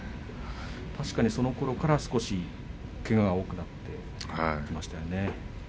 確かにそのころから、少しけがが多くなってきましたね。